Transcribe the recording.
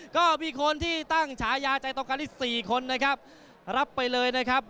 ก็มีคนที่ตั้งฉายาใจต้องการที่๔คนนะครับรับไปเลยนะครับ